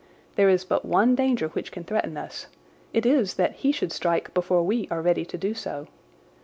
There is but one danger which can threaten us. It is that he should strike before we are ready to do so.